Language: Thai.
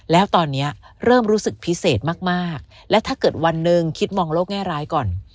แล้วตอนนี้เริ่มรู้สึกพิเศษมากและถ้าเกิดวันหนึ่งคิดมองโลกแง่ร้ายก่อน